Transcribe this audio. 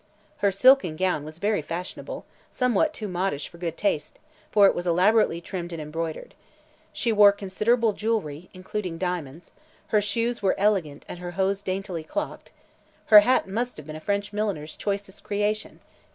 Her silken gown was very "fashionable," somewhat too modish for good taste, for it was elaborately trimmed and embroidered. She wore considerable jewelry, including diamonds; her shoes were elegant and her hose daintily clocked; her hat must have been a French milliner's choicest creation.